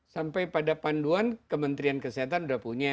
sampai pada panduan kementerian kesehatan sudah punya